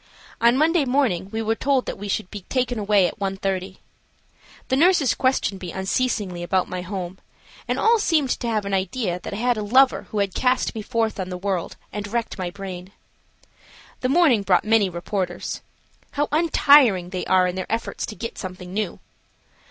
On Monday morning we were told that we should be taken away at 1.30. The nurses questioned me unceasingly about my home, and all seemed to have an idea that I had a lover who had cast me forth on the world and wrecked my brain. The morning brought many reporters. How untiring they are in their efforts to get something new.